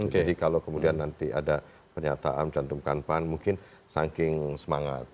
jadi kalau kemudian nanti ada pernyataan mencantumkan pan mungkin saking semangat